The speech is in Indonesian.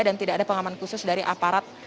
dan tidak ada pengamanan khusus dari aparat